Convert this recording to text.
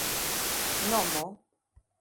nomo